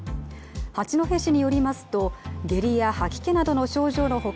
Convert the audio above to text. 八戸市によりますと下痢や吐き気などの症状の他